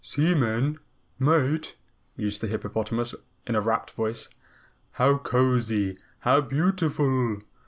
"Seaman? Mate?" mused the hippopotamus in a rapt voice. "How cozy, how beautiful!"